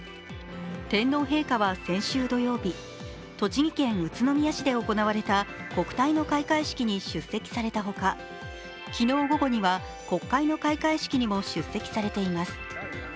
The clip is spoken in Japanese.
天皇陛下は先週土曜日、栃木県宇都宮市で行われた国体の開会式に出席されたほか、昨日午後には国会の開会式にも出席されています。